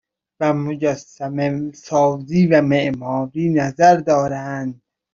و مجسمهسازی و معماری نظر دارند